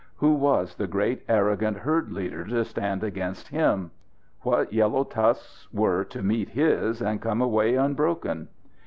Who was the great, arrogant herd leader to stand against him? What yellow tusks were to meet his and come away unbroken?